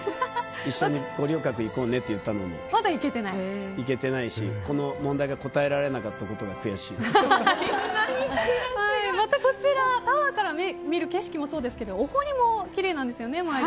一緒に五稜郭行こうねって言ったのにまだ行けてないし、この問題が答えられなかったことがまた、タワーから見る景色もそうですがお堀もきれいなんですよね。